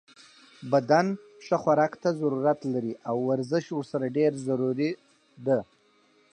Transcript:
بدن ښه خوراک ته ضرورت لری او ورزش ورسره ډیر ضروری ده